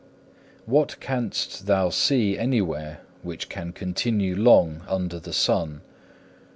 8. What canst thou see anywhere which can continue long under the sun?